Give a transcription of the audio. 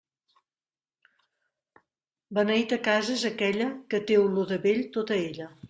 Beneita casa és aquella, que té olor de vell tota ella.